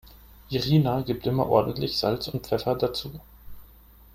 Irina gibt immer ordentlich Salz und Pfeffer dazu.